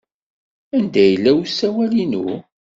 Anda yella usawal-inu?